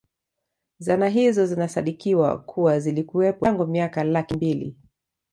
Zana hizo zinasadikiwa kuwa zilikuwepo tangu miaka laki mbili